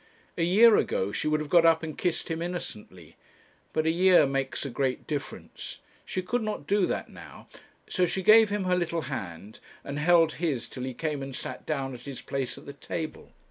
A year ago she would have got up and kissed him innocently; but a year makes a great difference. She could not do that now, so she gave him her little hand, and held his till he came and sat down at his place at the table.